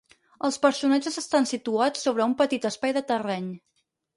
Els personatges estan situats sobre un petit espai de terreny.